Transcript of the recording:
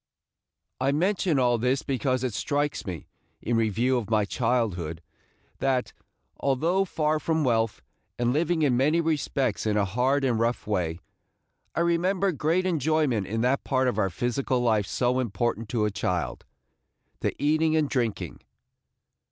I mention all this because it strikes me, in review of my childhood, that, although far from wealth, and living in many respects in a hard and rough way, I remember great enjoyment in that part of our physical life so important to a child, – the eating and drinking.